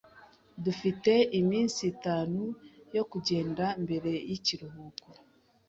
Dufite iminsi itanu yo kugenda mbere yikiruhuko.